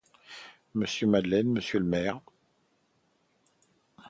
Monsieur Madeleine ! monsieur le maire !